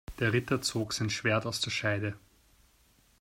Der Ritter zog sein Schwert aus der Scheide.